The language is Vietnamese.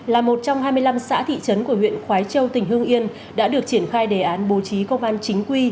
là một trong hai mươi năm xã thị trấn của huyện khói châu tỉnh hương yên đã được triển khai đề án bố trí công an chính quy